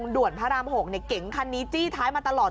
ด่วนพระราม๖เก๋งคันนี้จี้ท้ายมาตลอด